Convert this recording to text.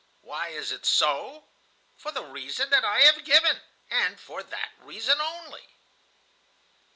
Why is it so? "For the reason that I have given, and for that reason only."